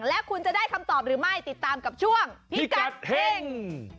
และคุณจะได้คำตอบหรือไม่ติดตามกับช่วงพิกัดเฮ่ง